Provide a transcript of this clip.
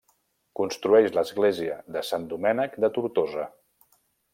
Construeix l'església de Sant Domènec de Tortosa.